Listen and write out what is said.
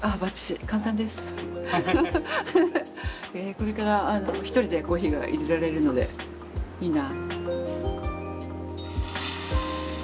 これから一人でコーヒーがいれられるのでいいな。